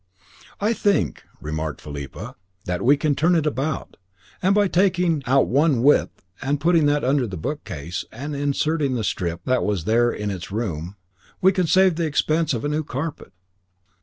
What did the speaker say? "I think," remarked Philippa, "that we can turn it about, and by taking out one width and putting that under the bookcase and inserting the strip that was there in its room, we can save the expense of a new carpet.